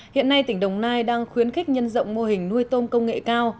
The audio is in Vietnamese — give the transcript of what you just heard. hiện nay tỉnh đồng nai đang khuyến khích nhân rộng mô hình nuôi tôm công nghệ cao